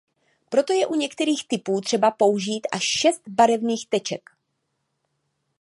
Proto je u některých typů třeba použít až šest barevných teček.